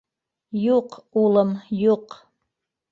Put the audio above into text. - Юҡ, улым, юҡ.